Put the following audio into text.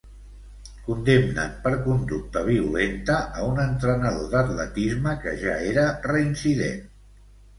Condemnen per conducta violenta un entrenador d'atletisme que ja era reincident.